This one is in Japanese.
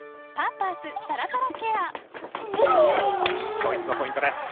ドイツのポイントです。